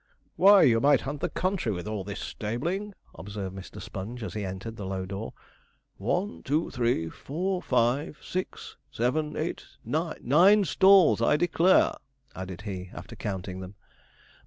'Why, you might hunt the country with all this stabling,' observed Mr. Sponge, as he entered the low door. 'One, two, three, four, five, six, seven, eight, nine. Nine stalls, I declare,' added he, after counting them.